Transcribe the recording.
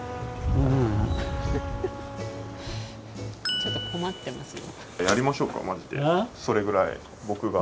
ちょっと困ってますよ。